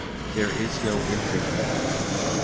There is no entry fee.